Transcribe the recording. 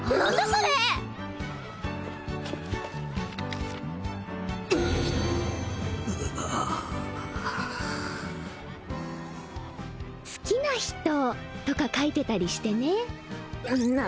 それ好きな人とか書いてたりしてねんな